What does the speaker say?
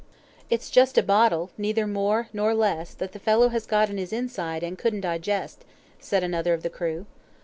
"It's just a bottle, neither more nor less, that the fellow has got in his inside, and couldn't digest," said another of the crew.